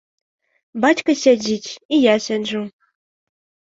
Бацька сядзіць, і я сяджу.